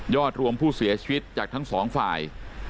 รวมผู้เสียชีวิตจากทั้งสองฝ่าย